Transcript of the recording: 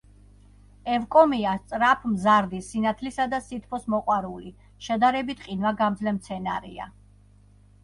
ევკომია სწრაფმზარდი, სინათლისა და სითბოს მოყვარული, შედარებით ყინვაგამძლე მცენარეა.